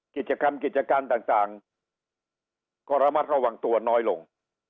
กิจกรรมกิจการต่างก็ระมัดระวังตัวน้อยลง